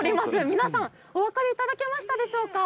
皆さん、お分かりいただけましたでしょうか。